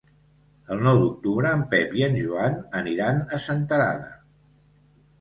El nou d'octubre en Pep i en Joan aniran a Senterada.